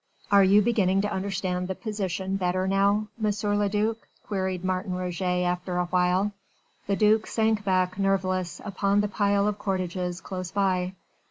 "Are you beginning to understand the position better now, M. le duc?" queried Martin Roget after awhile. The duc sank back nerveless upon the pile of cordages close by.